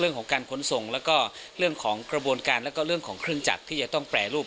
เรื่องของการขนส่งแล้วก็เรื่องของกระบวนการแล้วก็เรื่องของเครื่องจักรที่จะต้องแปรรูป